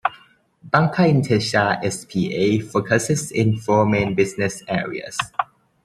Banca Intesa S.p.A. focuses in four main business areas.